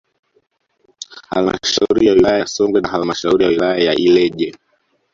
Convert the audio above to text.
Halmashauri ya wilaya ya Songwe na halmashauri ya wilaya ya Ileje